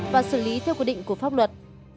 và xử lý theo quy định của pháp luật